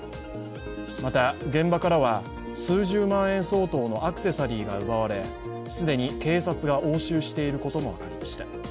また、現場からは数十万円相当のアクセサリーが奪われ既に警察が押収していることも分かりました。